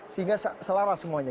sehingga selara semuanya